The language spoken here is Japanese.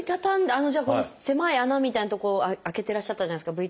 じゃあこの狭い穴みたいな所開けていらっしゃったじゃないですかＶＴＲ。